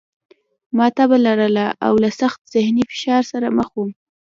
ما تبه لرله او له سخت ذهني فشار سره مخ وم